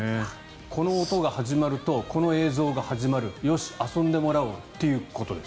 この音が始まるとこの映像が始まるよし、遊んでもらおうっていうことです。